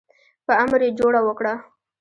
په امر یې جوړه وکړه.